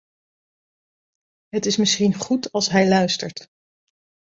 Het is misschien goed als hij luistert.